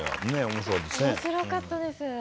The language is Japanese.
面白かったですね。